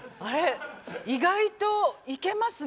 意外とイケますね。